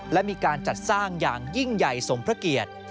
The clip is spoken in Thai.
และมีการจัดสร้างอย่างยิ่งใหญ่สมพระเกียรติ